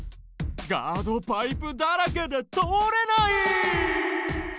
ガードパイプだらけで通れない！